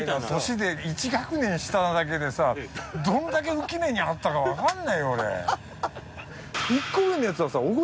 年で１学年下なだけでさどんだけ憂き目に遭ったか分かんないよ俺。